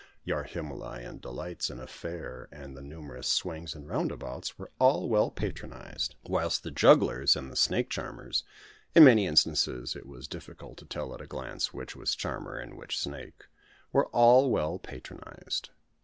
Your Himalayan delights in a fair, and the numerous swings and roundabouts were all well patronised; whilst the jugglers, and the snake charmers in many instances it was difficult to tell at a glance which was charmer and which snake were all well patronised.